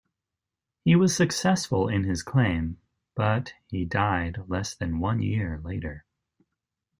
He was successful in his claim, but he died less than one year later.